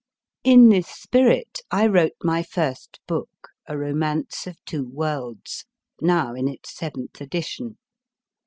MARIE CORELLI 207 In this spirit I wrote my first book, * A Romance of Two Worlds/ now in its seventh edition.